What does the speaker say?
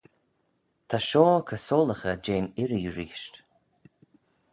Ta shoh co-soylaghey jeh'n irree reesht.